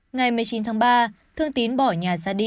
ngày một mươi chín tháng ba thương tín bỏ nhà ra đi